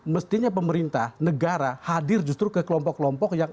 mestinya pemerintah negara hadir justru ke kelompok kelompok yang